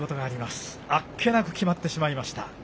あっけなく決まってしまいました。